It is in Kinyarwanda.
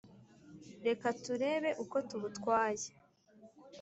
Reka turebe uko tubutwaye.